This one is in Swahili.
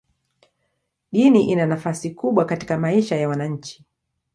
Dini ina nafasi kubwa katika maisha ya wananchi.